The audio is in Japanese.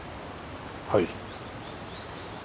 はい。